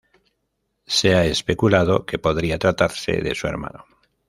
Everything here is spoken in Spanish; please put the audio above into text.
Se ha especulado que podría tratarse de su hermano.